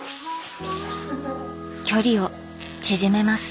距離を縮めます。